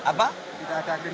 tidak ada kriminalisasi ulama